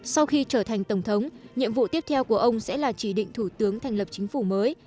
sau khi trở thành tổng thống nhiệm vụ tiếp theo của ông sẽ là chỉ định thủ tướng thành lập chính phủ mới